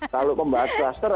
kalau membahas klaster